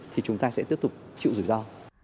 thì chúng ta sẽ tiếp tục chịu rủi ro